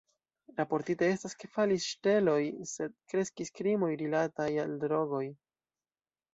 Raportite estas, ke falis ŝteloj sed kreskis krimoj rilataj al drogoj.